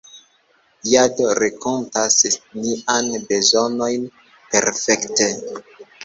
Jado renkontas niajn bezonojn perfekte.